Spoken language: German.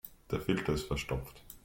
Der Filter ist verstopft.